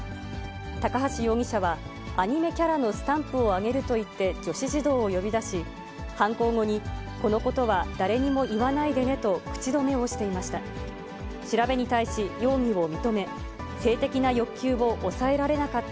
高橋容疑者は、アニメキャラのスタンプをあげると言って女子児童を呼び出し、犯行後に、このことは誰にも言わないでねと口止めをしていました。